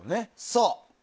そう。